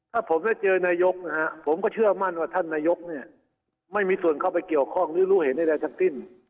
ถ้าผมได้เจอนายกนะฮะผมก็เชื่อมั่นว่าท่านนายกเนี่ยไม่มีส่วนเข้าไปเกี่ยวข้องหรือรู้เห็นใดทั้งสิ้น